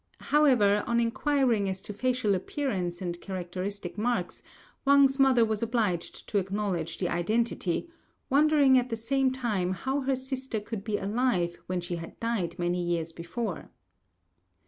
However, on inquiring as to facial appearance and characteristic marks, Wang's mother was obliged to acknowledge the identity, wondering at the same time how her sister could be alive when she had died many years before.